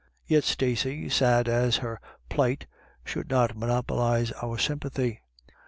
Yet Stacey, sad as was her plight, should not monopolise our sympathy.